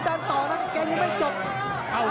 กาดเกมสีแดงเดินแบ่งมูธรุด้วย